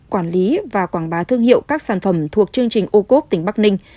quản lý và quảng bá thương hiệu các sản phẩm thuộc chương trình ô cốp tỉnh bắc ninh